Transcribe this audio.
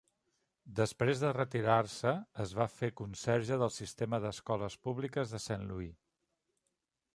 Després de retirar-se es va fer conserge del sistema d'escoles públiques de Saint Louis.